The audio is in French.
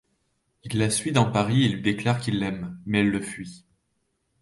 Il la suit dans Paris et lui déclare qu'il l'aime, mais elle le fuit.